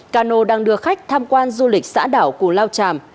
cano đang đưa khách tham quan du lịch xã đảo cù lao tràm